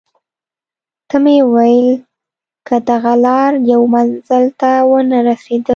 ته مې وویل: که دغه لار یو منزل ته ونه رسېدل.